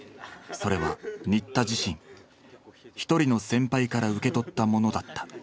それは新田自身１人の先輩から受け取ったものだった。